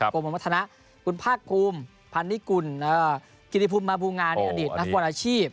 กรมบรรทนะคุณภาคคลุมพันนิกุลกิริพุมมาภูมิงานอดิตนักกวนอาชีพ